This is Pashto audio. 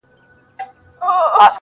او زما د غرونو غم لړلې کيسه نه ختمېده!.